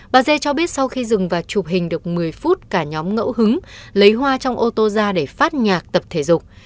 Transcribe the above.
bà dê cho biết sau khi dừng và chụp hình được một mươi phút cả nhóm ngẫu hứng lấy hoa trong ô tô ra để phát nhạc tập thể dục